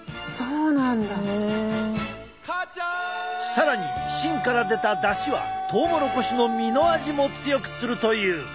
更に芯から出ただしはトウモロコシの実の味も強くするという。